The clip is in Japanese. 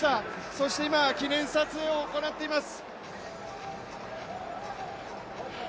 そして今、記念撮影を行っています。